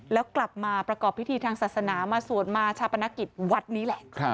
แล้วกลับมาประกอบพิธีทางศาสนามาสวดมาชาปนกิจวัดนี้แหละ